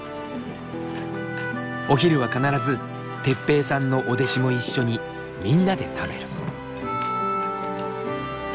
お昼は必ず哲平さんのお弟子も一緒にみんなで食べる。